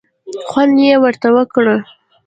خوند یې ورته ورکړ.